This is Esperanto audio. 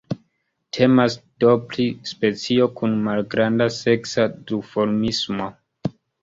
Temas do pri specio kun malgranda seksa duformismo.